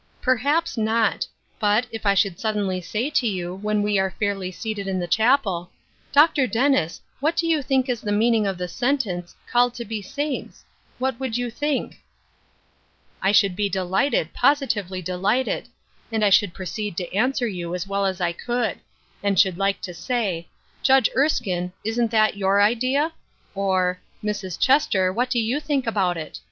" Perhaps not. But, if I should suddenly say to you, when we are fairly seated in the chapel, ' Dr. Dennis, what do you think is the meaning of the sentence — Called to be saints f ' what would you think ?"" I should be dehghted — positively delighted ; and I should proceed to answer you as well as I could ; and should like to say, ' Judge Erskine, isn't that your idea ?' or, ' Mrs. Chester, what do you think about it